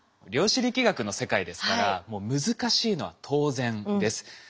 量子力学の世界ですからもう難しいのは当然です。